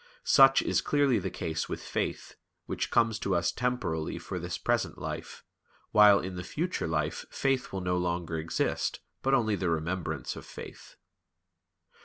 Such is clearly the case with faith, which comes to us temporally for this present life; while in the future life faith will no longer exist, but only the remembrance of faith.